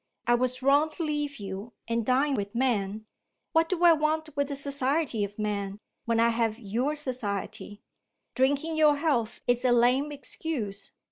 I was wrong to leave you, and dine with men. What do I want with the society of men, when I have your society? Drinking your health is a lame excuse.